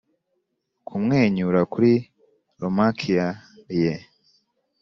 kumwenyura kuri romaquia ye,